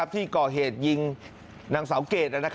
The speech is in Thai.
ที่เกาะเหตุยิงนางเสาเกรด